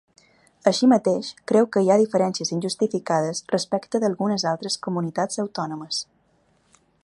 Així mateix, creu que hi ha diferències injustificades respecte d’algunes altres comunitats autònomes.